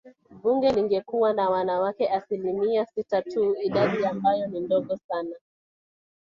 Bunge lingekuwa na wanawake asilimia sita tu idadi ambayo ni ndogo sana